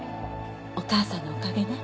お母さんのおかげね。